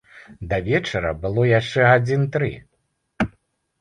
Да вечара было яшчэ гадзін тры.